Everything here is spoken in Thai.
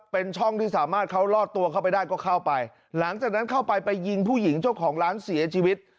เป็นช่องที่สามารถเขาลอดตัวเข้าไปได้ก็เข้าไปหลังจากนั้นเข้าไปไปยิงผู้หญิงเจ้าของร้านเสียชีวิต